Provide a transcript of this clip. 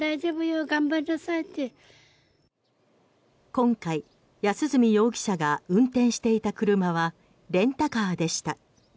今回、安栖容疑者が運転していた車はレンタカーでした。